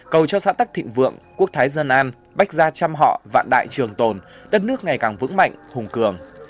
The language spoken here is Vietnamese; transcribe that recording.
cầu cho xã tắc thịnh vượng quốc thái dân an bách gia trăm họ vạn đại trường tồn đất nước ngày càng vững mạnh hùng cường